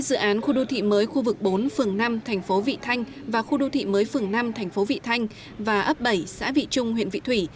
dự án khu đô thị mới khu vực bốn phường năm thành phố vị thanh và khu đô thị mới phường năm thành phố vị thanh và ấp bảy xã vị trung huyện vị thủy